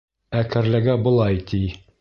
Ә кәрләгә былай ти: